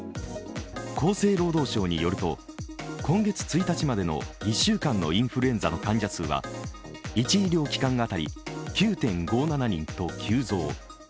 厚生労働省によると今月１日までの１週間のインフルエンザの患者数は１医療機関当たり９．５７人と急増。